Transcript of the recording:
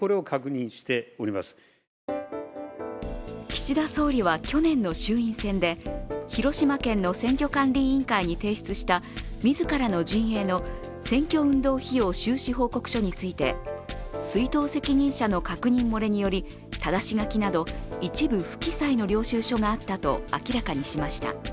岸田総理は、去年の衆院選で広島県の選挙管理委員会に提出した自らの陣営の選挙運動費用収支報告書について出納責任者の確認漏れによりただし書きなど一部不記載の領収書があったと明らかにしました。